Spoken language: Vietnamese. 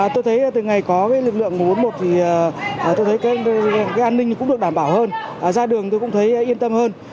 tôi thấy từ ngày có lực lượng một trăm bốn mươi một thì tôi thấy cái an ninh cũng được đảm bảo hơn ra đường tôi cũng thấy yên tâm hơn